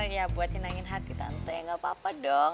ya buat senangin hati tante gak apa apa dong